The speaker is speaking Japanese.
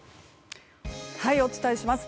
お伝えします。